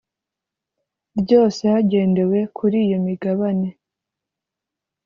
Ryose hagendewe kuri iyo migabane